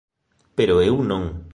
Pero eu non.